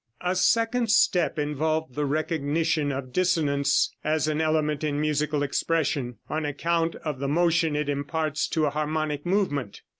A second step involved the recognition of dissonance as an element in musical expression, on account of the motion it imparts to a harmonic movement.